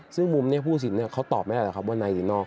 ซึ่งมุมนี้ผู้สินเขาตอบไม่ได้หรอกครับว่านายหรือนอก